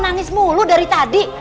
nangis mulu dari tadi